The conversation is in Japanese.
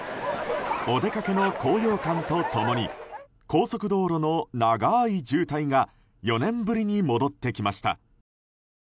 お出かけの高揚感と共に高速道路の長い渋滞が４年ぶりに戻ってきました。